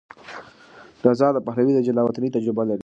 رضا پهلوي د جلاوطنۍ تجربه لري.